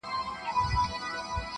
نه ځنګل نه شنه واښه نه شنه بېدیا وه -